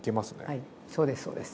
はいそうですそうです。